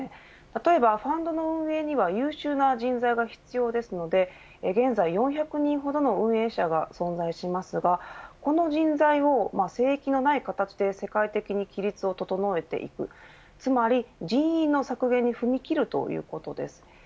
例えばファンドの運営には優秀な人材が必要ですので現在４００人ほどの運営者が存在しますが、この人材を聖域のない形で世界的に規律を整えていくつまり人員の削減に踏み切るということです。